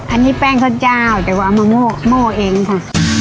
อันนี้แป้งข้าวเจ้าแต่ว่าเอามาโม่เองค่ะ